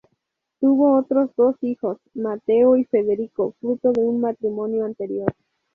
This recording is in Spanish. Tuvo otros dos hijos, Mateo y Federico, fruto de un matrimonio anterior.